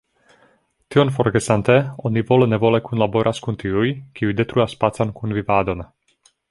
Tion forgesante, oni vole-nevole kunlaboras kun tiuj, kiuj detruas pacan kunvivadon.